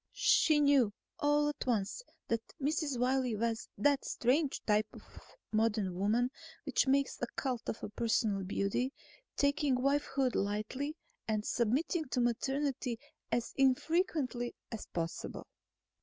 She knew, all at once, that Mrs. Wiley was that strange type of modern woman which makes a cult of personal beauty, taking wifehood lightly and submitting to maternity as infrequently as possible.